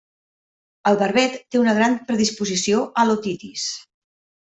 El Barbet té una gran predisposició a l'otitis.